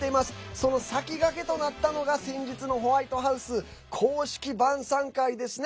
その先駆けとなったのが先日のホワイトハウス公式晩さん会ですね。